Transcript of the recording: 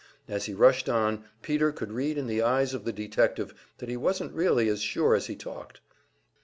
As he rushed on, Peter could read in the eyes of the detective that he wasn't really as sure as he talked.